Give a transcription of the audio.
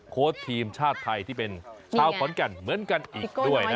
โค้ชทีมชาติไทยที่เป็นชาวขอนแก่นเหมือนกันอีกด้วย